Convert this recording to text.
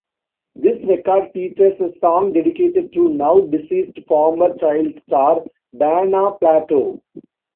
This record features a song dedicated to now-deceased former child star Dana Plato.